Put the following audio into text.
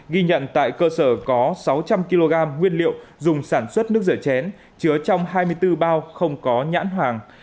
ghi nhận tại cơ sở có sáu trăm linh kg nguyên liệu dùng sản xuất nước rửa chén chứa trong hai mươi bốn bao không có nhãn hoàng